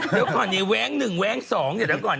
เดี๋ยวก่อนไอ้แว้งหนึ่งแว้งสอง